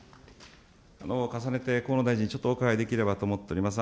重ねて河野大臣にちょっとお伺いできればと思っております。